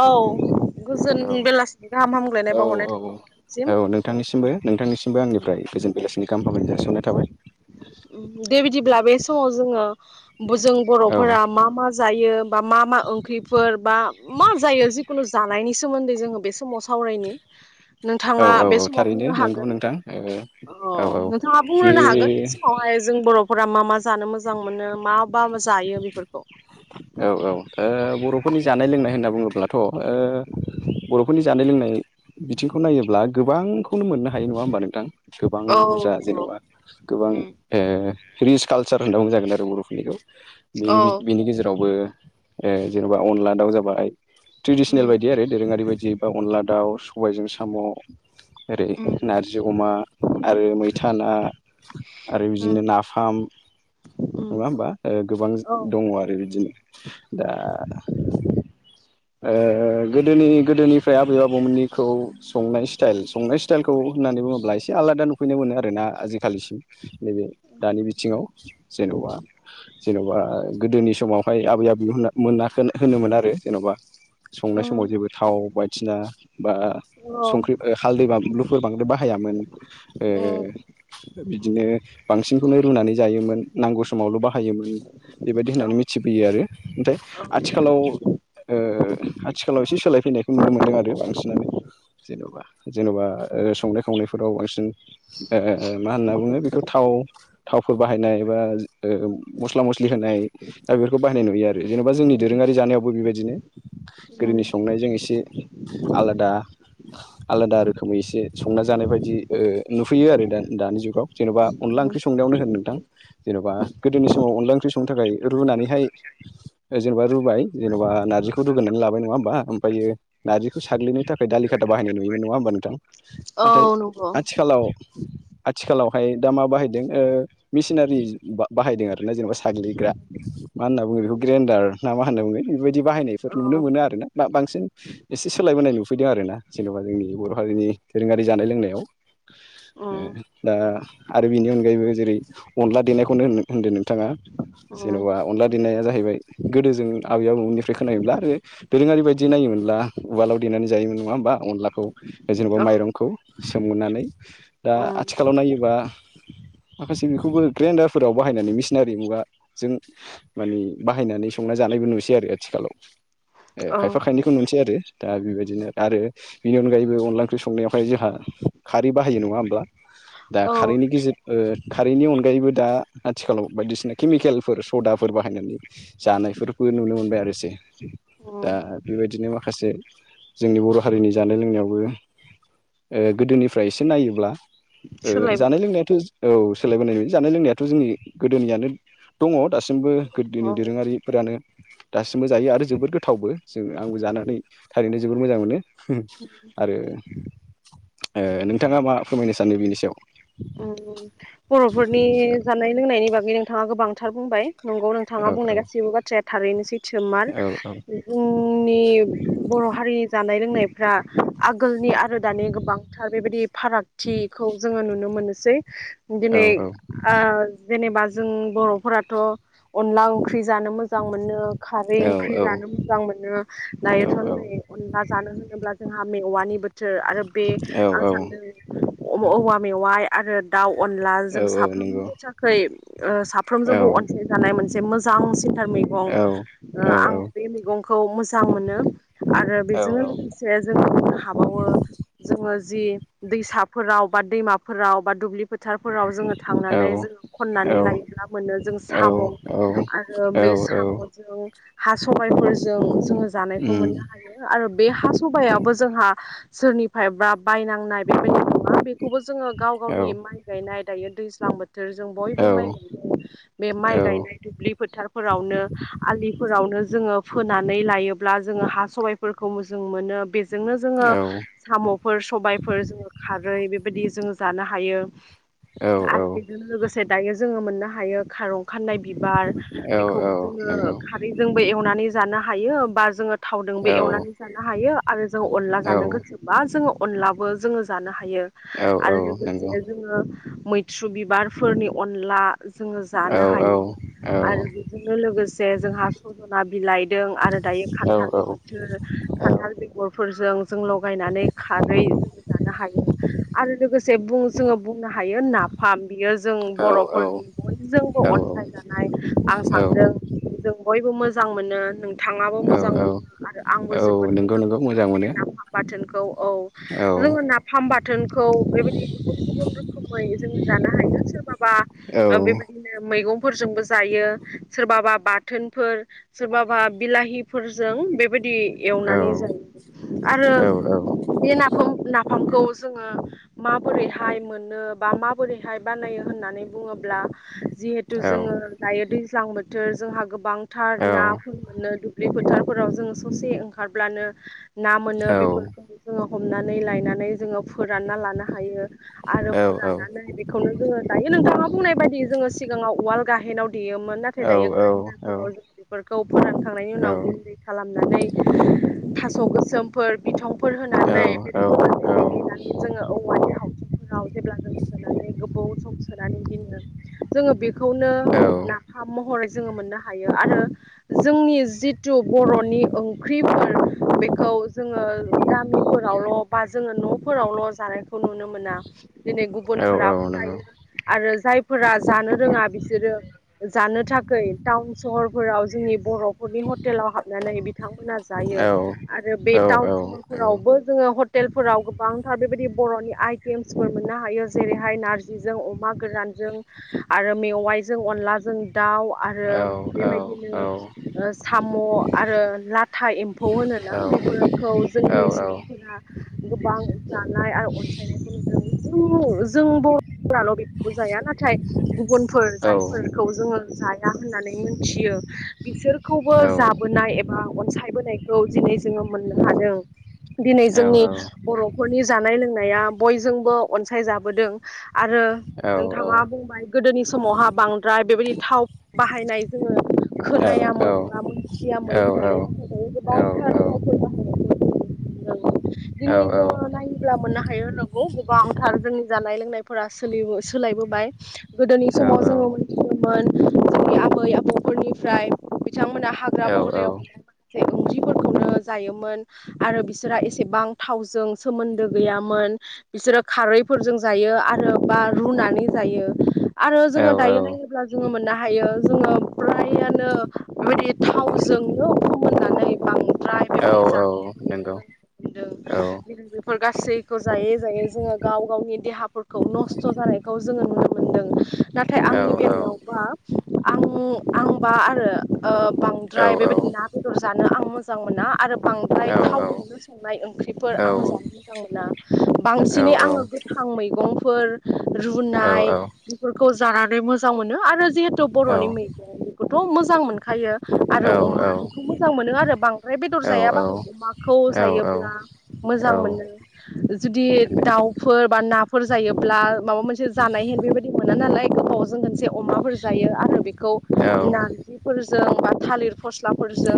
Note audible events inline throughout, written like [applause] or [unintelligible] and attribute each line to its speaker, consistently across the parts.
Speaker 1: औ गोजोन
Speaker 2: औ
Speaker 1: बेलासिनि गाहाम हामग्लायनाय
Speaker 2: औ
Speaker 1: बावहरनाय
Speaker 2: औ
Speaker 1: थाबाय नोंथां।
Speaker 2: औ नोंथांनिसिमबो नोंथांनिसिमबो आंनिफ्राय गोजोन बेलासिनि गाहाम हामलायनाय जासि हरनाय थाबाय।
Speaker 1: उम दे बिदिब्ला बे समाव जोङो जों
Speaker 2: औ
Speaker 1: बर'फोरा मा मा जायो बा मा मा ओंख्रिफोर बा मा जायो जेखुनु जानायनि सोमोन्दै जोङो बे समाव सावरायनि।
Speaker 2: औ
Speaker 1: नोंथाङा
Speaker 2: औ
Speaker 1: बे
Speaker 2: औ
Speaker 1: समाव
Speaker 2: थारैनो
Speaker 1: बुंनो
Speaker 2: नोंगौ
Speaker 1: हागोन
Speaker 2: नोंथां ओ
Speaker 1: अ
Speaker 2: औ
Speaker 1: नोंथाङा
Speaker 2: बे
Speaker 1: बुंग्रोनो हागोन। सिगांआवहाय जों बर'फोरा मा मा जानो मोजां मोनो मा बा मा जायो बेफोरखौ
Speaker 2: औ औ ओ बर'फोरनि जानाय लोंनाय होनना बुङोब्लाथ' ओ बर'फोरनि जानाय लोंनाय बिथिंखौ नायोब्ला गोबांखौनो मोननो हायो नङा होमबा नोंथां गोबां
Speaker 1: औ
Speaker 2: बुरजा
Speaker 1: नंगौ
Speaker 2: जेन'बा गोबां ओ रिच कालचार होनना बुंजागोन आरो बर'फोरनिखौ बिनि
Speaker 1: औ
Speaker 2: बि बेनि गेजेरावबो ओ जेन'बा अनला दाउ जाबाय ट्रेडिसनेल बायदि आरो दोरोङारि बायदियै ओ अनला दाउ सबायजों साम' ओरै नारजि अमा आरो मैथा ना आरो
Speaker 1: औ
Speaker 2: बिदिनो नाफा फाम नङा होमबा? ओ गोबां दङ आरो बिदिनो दा
Speaker 1: [inaudible]
Speaker 2: ओ गोदोनि गोदोनिफाय आबै आबौमोननिखौ संनाय स्टाइल संनाय स्टाइलखौ होना होननानै बुङोब्ला एसे आलादा नुफैनाय मोनो आरो ना आजिखालिसिम नैबे दानि बिथिङाव जेनबा जेनबा गोदोनि समावहाय आबै आबौ मोनाख होनामोन आरो जेनबा संनाय समाव जेबो थाव बायदिसिना बा
Speaker 1: औ
Speaker 2: संख्रि ओ हालदै बानलुफोर बांद्राय बाहायामोन ओ बिदिनो बांसिनखौनो रुनानै जायोमोन नांगौ समावल बाह बेबायदि होननानै मिथिबोयो आरो ओमथाय
Speaker 1: औ
Speaker 2: आथिखालाव ओ ओ आथिखालाव एसे सोलाय फैनायखौ नुनो मोनदों आरो बांसिनानो जेनबा जेनबा ओ संनाय खावनायफोराव बांसिन ओ मा होनना बुङो बेखौ थाव थावफोर बाहायनाय एबा ओ मस्ला मस्लि होनाय दा बेफोरखौ बाहायनाय नुयो आरो जेनबा जोंनि दोरोङारि जानायावबो बेबायदिनो गोदोनि संनायजों एसे आलादा आलादा रोखोमै एसे संना जानाय बायदि ओ नुफैयो आरो दा दानि जुगाव जेनबा अनला
Speaker 1: औ
Speaker 2: ओंख्रि संनायावनो होन नोंथां जेनबा गोदोनि समाव अनला ओंख्रि संनो थाखाय रुनानैहाय जेनबा रुबाय जेनबा नारजिखौ रुगोरना ला लााबाय नङा होमबा ओमफायो नारजिखौ साल्गिनो थाखाय दालि खाथा बाहायनाय नुयोमोन नङा होमबा नोंथां
Speaker 1: औ
Speaker 2: नाथाय
Speaker 1: नंगौ
Speaker 2: आथिखालाव आथिखालावहाय दा मा बाहायदों ओ मिसिनारि बा बाहायदों आरोना जेनबा साग्लिग्रा मा होनना बुङो बेखौ ग्रेन्डार ना मा होनना बुङो बेफोरबायदि बाहायनायफोर
Speaker 1: औ
Speaker 2: नु नों
Speaker 1: उम
Speaker 2: मोनो आरोना बा बांसिन एसे सोलायबोनाय नुफैदों आरोना जेनबा जोंनि बर हारिनि दोरोङारि जानाय लों लोंनायाव ओ दा आरो बेनि अनगायैबो जेरै अनला देनायखौनो होन नो होनदो नोंथाङा
Speaker 1: उम
Speaker 2: जेनबा अनला देनाया जाहैबाय गोदो जों आबै आबौमोननिफ्राय खोनायोब्ला आरो दोरोङारि बायदि नायोमोनब्ला उवालाव देनानै जायोमोन नङा होमबा अनलाखौ जेनेबा
Speaker 1: औ
Speaker 2: माइरंखौ सोमगोननानै दा
Speaker 1: उम
Speaker 2: आथिखालाव नायोबा माखासे बेखौबो ग्रेन्डारफोराव बाहायनानै मिसिनारि मुगाजों मानि बाहायनानै संना जानायबो नुसै आरो आथिखालाव। एह
Speaker 1: औ
Speaker 2: खायफा खायनैखौ नुनोसै आरो दा बेबायदिनो आरो बेनि अनगायैबो अनला ओंख्रि संनायावहाय जोंहा खारै बाहायो नङा होमब्ला? दा
Speaker 1: औ
Speaker 2: हायैनि गेजेद ओ खारैनि अनगायैबो दा आथिखालाव बायदिसिना केमिकेलफोर सदाफोर बाहायनानै जानायफोरबो नुनो मोनबाय आरोसै दा
Speaker 1: उम
Speaker 2: बेबायदिनो माखासे जोंनि बर हारिनि जानाय लोंनायावबो ओ गोदोनिफ्राय एसे नायोब्ला ओ जानाय
Speaker 1: सोलायबोबाय
Speaker 2: लोंनायाथ औ सोलायबोनाय नुयो जानाय लोंनायाथ जोंनि गोदोनियानो दङ दासिमबो गोदोनि
Speaker 1: औ
Speaker 2: दोरोङारिफोरानो दासिमबो जायो आरो जोबोद गोथावबो जोंङो आंबो जा जानानै थारैनो जोबोर मोजां मोनो आरो ओ नोंथाङा मा फोरमायनो सानो बिनि सायाव?
Speaker 1: उम बरफोरनि जानाय लोंनायनि बागै नोंथाङा गोबांथार बुंबाय नंगौ नोंथाङा
Speaker 2: औ
Speaker 1: बुंनाय गासैबो बाथ्राया थारैनो सैथोमार
Speaker 2: औ
Speaker 1: जोंनि बर बर हारिनि जानाय लोंनाय फ्रा आगोलनि आरो दानि गोबांथार बेबायदि फारागथिखौ जोङो नुनो मोनो जै
Speaker 2: औ
Speaker 1: दिनै ओ जेनेबा जों बरफोराथ अनला ओंख्रि ख्रै जानो मोजां मोनो खारै ओंख्रि
Speaker 2: औ
Speaker 1: जानो मोजां मोनो
Speaker 2: औ
Speaker 1: दायोथ
Speaker 2: औ
Speaker 1: नै अनला जानो होनोब्ला जोंहा मेवानि बोथोर आरो बे
Speaker 2: औ
Speaker 1: आं सान्दों औवा मेवाइ आरो दाउ अनला
Speaker 2: औ
Speaker 1: जों
Speaker 2: औ नंगौ
Speaker 1: साफ्रोमबो थाखै ओ
Speaker 2: औ औ
Speaker 1: साफ्रोमजोंबो अनसायजानाय मोनसे मोजां सिन थार मैगं
Speaker 2: औ
Speaker 1: ओ आं
Speaker 2: औ
Speaker 1: बे मैगंखौ मोजां मोनो आरो बेजोंनो लोगोसे जोङो हाबावो जोङो जि दैसाफोराव बा दैमाफोराव बा दुब्लि फोथारफोराव जोङो थांनानै
Speaker 2: औ
Speaker 1: जोङो खननानै लायोब्ला मोनो जों
Speaker 2: औ
Speaker 1: साम' आरो
Speaker 2: औ
Speaker 1: बे
Speaker 2: औ
Speaker 1: साम'जों हा सबायफोरजों जोङो जानायखौ
Speaker 2: उम
Speaker 1: मोननो हायो आरो बे हा सबायाबो जोंहा। सोरनिफ्रायबा बायनांनाय बेबायदि नङा बेखौबो जोङो गाव
Speaker 2: औ
Speaker 1: गावनि माइ गायनाय दायो दैज्लां बोथोर जों
Speaker 2: औ
Speaker 1: बयबो माइ गायदों बे माइ गायनाय दुब्लि फोथारफोरावनो। नो आलिफोरावनो जोङो। फोनानै लायोब्ला जोङो हा सबायफोरखौ मोजों मोनो बे जोंनो जोङो साम'फोर सबायफोर जोङो खारै बेबायदि जोङो जानो हायो। आरो बेजों लोगोसे दायो जोङो मोननो हायो खारौ खाननाय बिबार बेखौबो जोङो
Speaker 2: नंगौ औ
Speaker 1: खारैजोंबो एवनानै जानो हायो बा जोङो थावदोंबो एवनानै जानो हायो आरो जों अनला
Speaker 2: औ
Speaker 1: जानो गोसोबा जोङो अनलाबो जोङो जानो हायो। हायो
Speaker 2: औ नंगौ औ
Speaker 1: आरो
Speaker 2: औ
Speaker 1: लोगोसे जोङो मैथ्रु बिबारफोरनि अनला। - जोङो जानो हायो आरो बेजोंनो लोगोसे जोंहा सजना बिलाइ। जों आरो दायो खान्थालनि बोथोर खान्थाल बेगरफोरजों। जों लगायनानै खारै जों जानो हायो आरो लोगोसे बुं जोङो बुं नो हायो नाफाम बियो जों बर'फोरनि बयजोंबो अनसायजानाय आं सानदों जों बयबो मोजां मोनो नों थाङाबो
Speaker 2: औ
Speaker 1: मोजां मोनो आरो आंबो
Speaker 2: औ
Speaker 1: जोबोद
Speaker 2: नंगौ
Speaker 1: मोजां
Speaker 2: नंगौ
Speaker 1: मोनो बे नाफाम बाथोनखौ औ।
Speaker 2: औ
Speaker 1: जोङो नाफाम बाथोनखौ बेबायदि
Speaker 2: [inaudible]
Speaker 1: [inaudible] जोङो जानो हायो सोरबाबा
Speaker 2: औ
Speaker 1: ओ बेबायदिनो मैगं फोरजोंबो जायो सोरबा बा बाथोनफोर सोरबा बा बिलाहिफोरजों बे बायदि
Speaker 2: औ
Speaker 1: एवनानै जायो आरो
Speaker 2: औ
Speaker 1: बे नाफाम ना फामखौ जोङो माबोरैहाय मोन नो बा माबोरैहाय बनायो होननानै बुङोब्ला जिहेथु जोङो दायो दै ज्लां बोथोर जोंहा गोबांथार नाफोर मोनो दुब्लि फोथार फोराव जों ससे ओंखारब्लानो ना मोनो बेफोरखौ जोङो हमनानै लायनानै। जोङो फोरानना लानो हायो आरो।
Speaker 2: औ औ
Speaker 1: लानानै बेखौनो जोङो दायो नोंथाङा बुंनाय बायदि जोङो सिगाङाव उवाल गाहेनाव देयोमोन
Speaker 2: औ नंगौ औ नंगौ औ
Speaker 1: नाथाय दायो ग्रेनदारफोराव जों बेफोरखौ फोरानखांनायनि उनाव गुन्दै खालामनानै। थास' गोसोमफोर बिथंफोर
Speaker 2: औ
Speaker 1: होनानै
Speaker 2: औ
Speaker 1: बेफोरखौ
Speaker 2: औ
Speaker 1: ब्ला जों सोनानै गोबाव सम सोनानै दिनो जोङो बेखौनो नाफाम महरै जोङो मोननो हायो आरो जोंनि जिथु बर'नि ओंख्रिफोर बेखौ जोङो गामिफोरावल' बा जोङो न'फोरावल' जानायखौ नुनो मोना। दिनै गुबुनफोराबो जायो आरो जाय। फोरा जानो रोङा बिसोरो जानो थाखाय टाउन सहरफोराव जोंनि बर'फोरनि हटेलाव हाबनानै बि बिथांमोना जायो आरो बे टाउन सहरफोरावबो जोङो हटेलफोराव गोबांथार बेबायदि बर'नि आइटेम फोर मोननो हायो जेरैहाय नारजिजों अमा गोरानजों आरो मेवाइजों अनलाजों दाउ आरो बेबायदिनो ओ साम' आरो लाथा एम्फौ होनोना। खौ जोंनि सुबुंफोरा गोबां जानाय आरो अनसायनायखौ नु जोंनि जों बर'फोराल' बेखौ जाया नाथाय। गुबुनफोर जायफोरखौ जोङो जाया होननानै मिथियो। बिसोर खौबो जाबोनाय एबा अनसायबोनायखौ दिनै जोङो मोननो हादों। दिनै जोंनि बर'फोरनि जानाय लोंनाया बयजोंबो अनसायजाबोदों। आरो
Speaker 2: औ
Speaker 1: नोंथाङा बुंबाय गोदोनि समावहा बांद्राय बेबायदि थाव बाहायनाय जोङो।
Speaker 2: औ
Speaker 1: खोनायामोन बा मोनथियामोन होननानै नाथाय दायो गोबांथार
Speaker 2: औ
Speaker 1: फावफोर बाहाय [inaudible] दिनै जोङो नायोब्ला मोननो हायो होनांगौ गोबांथार जों जानाय लोंनायफोरा सोलियो सोलायबोबाय गोदोनि समाव जोङो मोन [unintelligible] आबै आबौफोरनिफ्राय बिथांमोना हाग्रा बंग्रायाव जे ओंख्रिफोरखौनो जायोमोन आरो बिसोरहा एसेबां थावजों सोमोन्दो गैयामोन मोन बिसोरो खारैफोरजों जायो आरो बा रुनानै जायो आरो जोङो दायो नायोब्ला जोङो मोननो हायो जोङो फ्राययानो बेबायदि थावजोंनो ओंखाम मोनो
Speaker 2: औ औ नों
Speaker 1: बेफोर गासैखौ जायो दायो जोङो गाव गावनि देहाफोरखौ नस्थ' जानायखौ जोङो नुनो मोनदों नाथाय
Speaker 2: औ
Speaker 1: आंनि
Speaker 2: औ
Speaker 1: बे आंबा आरो ओ
Speaker 2: औ
Speaker 1: बांद्राय बेबायदि ना बेदर जानो आं मोजां मोना आरो बांद्राय थावजोंनो संनाय ओंख्रिफोर आंङो जानो मोजां मोना बांसिनै आङो गोथां मैगंफोर रुनाय बेफोरखौ जानानै मोजां मोनो आरो जिहेतु बर'नि मैगंफोरखौथ' मोजां मोनखायो आरो अमा मोजां मोनो आरो बांद्राय बेदर जायाबाबो अमाखौ
Speaker 2: औ औ औ
Speaker 1: जायोब्ला
Speaker 2: औ
Speaker 1: मोजां मोनो जुदि दाउफोर बा नाफोर जायोब्ला माबा मोनसे जानाय बेबायदि मोना नालाय गोबावजों मोनसे अमाफोर जायो आरो बेखौ
Speaker 2: औ
Speaker 1: नारजिफोरजों बा थालिर फस्लाफोरजों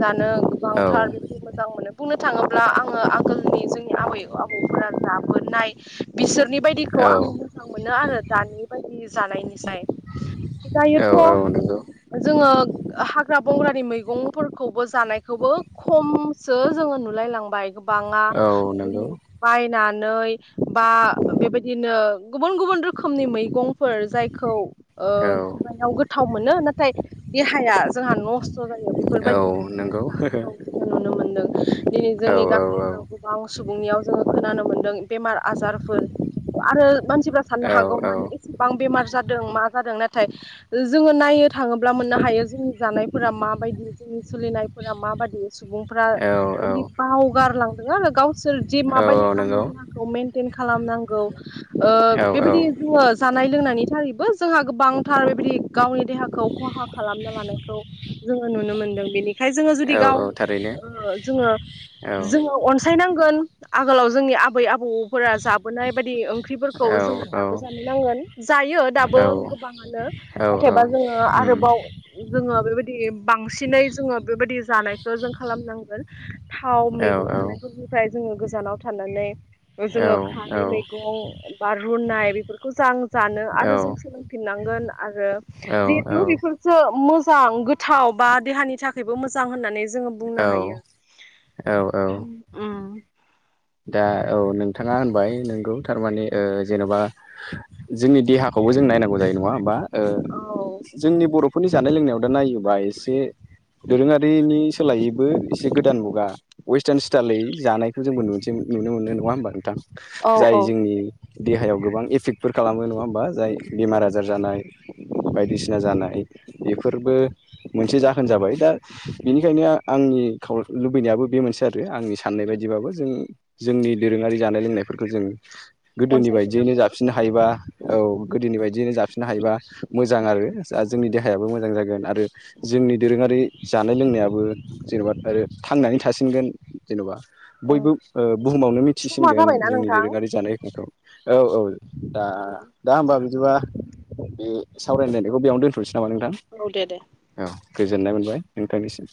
Speaker 1: जानो गोबांथार बेखौ मोजां मोनो बुंनो थाङोब्ला आङो आगोलनि जोंनि आबै आबौ फोरा जाबोनाय बिसोरनि बायदिखौ
Speaker 2: औ
Speaker 1: आं मोनो आरो दानि बायदि जानायनिफ्राय जायोथ'
Speaker 2: औ औ नंगौ
Speaker 1: जोङो हाग्रा बंग्रानि मैगंफोरखौबो जानायखौबो खमसो जों जोङो नुलाय लांबाय गोबाङा
Speaker 2: औ
Speaker 1: बेदि
Speaker 2: नंगौ
Speaker 1: बायनानै बा बेबायदिनो गुबुन गुबुन रोखोमनि मैगंफोर जाय खौ ओ
Speaker 2: औ
Speaker 1: खुगायाव गोथाव मोनो नाथाय देहाया जोंहा नस्थ' जायो
Speaker 2: औ
Speaker 1: बेफोरबायदि मैगं
Speaker 2: नंगौ
Speaker 1: जानायखौ जोङो नुनो मोनदों दिनै
Speaker 2: औ
Speaker 1: जोंनि
Speaker 2: औ
Speaker 1: गामिफोराव गोबां सुबुंनियाव जोङो खोनानो मोन्दों बेमार आजारफोर आरो मानसिफ्रा साननो
Speaker 2: औ
Speaker 1: हागौ माने एसेबां बेमार जादों मा जादों नाथाय जोङो नाय थाङोब्ला मोननो हायो जोंनि जानायफोरा माबायदि जोंनि सोलिनायफोरा माबायदि सुबुंफोरा
Speaker 2: औ
Speaker 1: बिदि बावगारलांदों आरो गावसोर जे
Speaker 2: औ
Speaker 1: माबायदि गावनि
Speaker 2: नंगौ
Speaker 1: देहाखौ मेन थेन खालामनांगौ ओ
Speaker 2: औ
Speaker 1: बेबायदि जोङो जानाय लोंनायनि थाखायबो जोंहा गोबांथार बेदि गावनि देहाखौ खहा खालाम लानायखौ जोङो नुनो मोनदों बेनिखाय जोङो
Speaker 2: औ
Speaker 1: जुदि गाव
Speaker 2: औ थारैनो
Speaker 1: ओ जोङो
Speaker 2: औ
Speaker 1: जोङो अनसायनांगोन आगोलाव जोंनि आबै आबौफोरा जाबोनाय बायदि ओंख्रिफोरखौ जोङो दाबो
Speaker 2: औ
Speaker 1: जानो नांगोन जायो दाबो
Speaker 2: औ
Speaker 1: गोबांङानो
Speaker 2: औ औ
Speaker 1: नाथायबा जोङो
Speaker 2: उम
Speaker 1: आरोबाव जोङो बेबायदि बांसिन सिनै जोङो बेबायदि जानायखौ जों खालामनांगोन थाव
Speaker 2: औ
Speaker 1: मैगं
Speaker 2: औ
Speaker 1: थानायफोरनिफ्राय जोङो थिक गोजानाव थानानै
Speaker 2: औ
Speaker 1: जोङो खारै मैंगं बा रुनाय बेफोरखौ जों जानो आरो जों सोलोंफिननांगोन आरो जिहेथु बेफोरसो मोजां गोथाव बा देहानि थाखायबो मोजां होननानै जोङो बुंनो हायो
Speaker 2: औ औ अ नोंथाङा होनबाय नोंगौ थारमाने ओ जेनेबा जोंनि देहा खौबो जों नायनांगौ जायो नङा होमबा
Speaker 1: औ
Speaker 2: जोंनि बर' नि जानाय लोंनायाव दा नायोबा एसे दोरोङारिनि सोलायैबो एसे गोदान मुगा वेस्टार्न स्टाइल जानायखौ जोंबो नुसै नुनो मोनो नङा होमबा नोंथां
Speaker 1: औ औ
Speaker 2: जाय जोंनि देहायाव गोबां इपे फिकफोर खालामो नङा होमबा जाय बेमार आजार जानाय बायदिसिना जानाय बेफोरबो मोनसे जाहोन जाबाय दा बिनिखायनो आंनि खाव लुबैनायाबो बे मोनसे आरो आंनि साननाय बायदिबाबो जों जोंनि दोरोङारि जानाय लोंनायफोरखौ जों गोदोनि बायदियैनो
Speaker 1: अनसायफिननांगौना
Speaker 2: जाफिननो हायोबा औ गोदोनि बायदियैनो जाफिननो हायोबा मोजां आरो दा जोंनि देहा हाबो मोजां जागोन आरो जोंनि दोरोङारि जानाय लोंनायाबो जेनेबा आरो थांनानै थासि नगोन जेनबा बयबो बुहुमावनो
Speaker 1: समा
Speaker 2: मिथिसिनगोन
Speaker 1: जाबायना
Speaker 2: जोंनि
Speaker 1: नोंथां
Speaker 2: दोरोङारि जानायखौ औ औ दा दा होनबा बिदिबा बे सावरायलायनायखौ बेयावनो दोनथ'नोसै नामा नोंथां
Speaker 1: औ दे दे
Speaker 2: औ गोजोननाय मोनबाय नोंथांनिसिम